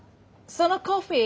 そのコーフィー。